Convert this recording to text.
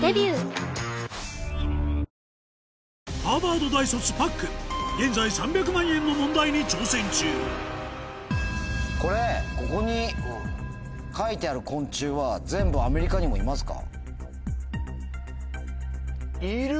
あなたも現在３００万円の問題に挑戦中これここに書いてある昆虫は全部アメリカにもいますか？